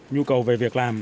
nhu cầu về việc làm